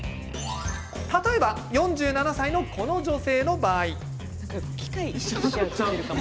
例えば４７歳のこの女性の場合。